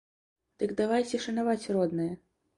Дык давайце шанаваць роднае!